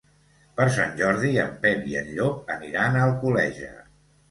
Per Sant Jordi en Pep i en Llop aniran a Alcoleja.